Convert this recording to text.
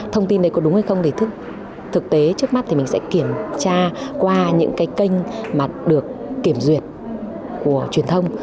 thông tin đấy có đúng hay không thì thực tế trước mắt thì mình sẽ kiểm tra qua những cái kênh mà được kiểm duyệt của truyền thông